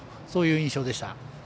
そういう印象でした。